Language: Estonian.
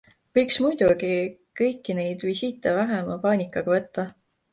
Võiks muidugi kõiki neid visiite vähema paanikaga võtta.